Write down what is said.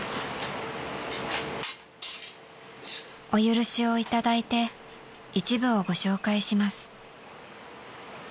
［お許しを頂いて一部をご紹介します］